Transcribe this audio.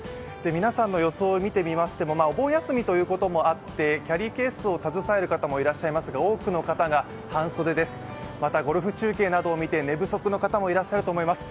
皆さんの装い見てみますとお盆休みということもあってキャリーケースを携える方もいらっしゃいますが多くの方が半袖です。